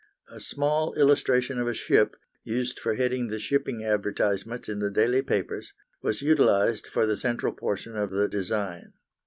A small illustration of a ship, used for heading the shipping advertisements in the daily papers, was utilised for the central portion of the design.